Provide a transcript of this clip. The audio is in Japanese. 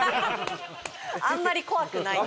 あんまり怖くない。